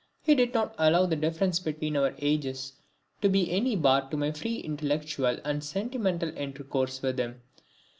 He did not allow the difference between our ages to be any bar to my free intellectual and sentimental intercourse with him.